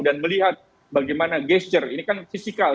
dan melihat bagaimana gesture ini kan fisikal